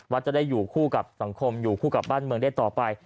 จะได้อยู่คู่กับสังคมอยู่คู่กับบ้านเมืองได้ต่อไป